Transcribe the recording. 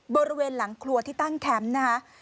บริเวณหลังครัวที่ตั้งแคมป์นะคะ